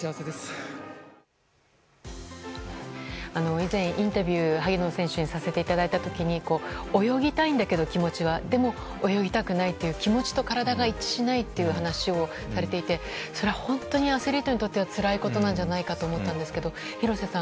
以前、インタビュー萩野選手にさせていただいた時に泳ぎたいんだけど、気持ちはでも、泳ぎたくないという気持ちと体が一致しないという話をされていてそれは本当にアスリートにとってはつらいことなんじゃないかと思ったんですけど廣瀬さん